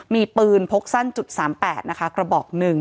มีปืนพกสั้น๓๘นะคะกระบอก๑